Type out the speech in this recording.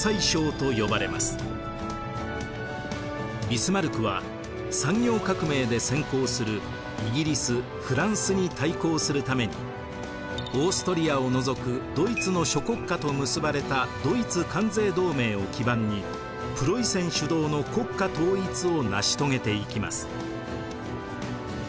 ビスマルクは産業革命で先行するイギリスフランスに対抗するためにオーストリアを除くドイツの諸国家とむすばれたドイツ関税同盟を基盤にプロイセン主導の国家統一を成し遂げていきます。